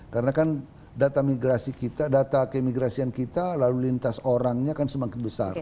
karena kan data keimigrasian kita lalu lintas orangnya kan semakin besar